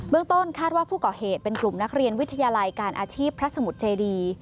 เมืองต้นคาดว่าผู้ก่อเหตุเป็นกลุ่มนักเรียนวิทยาลัยการอาชีพพระสมุทรเจดี